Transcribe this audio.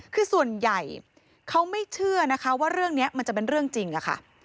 คือส่วนใหญ่เขาไม่เชื่อนะคะว่าเรื่องนี้มันจะเป็นเรื่องจริงค่ะ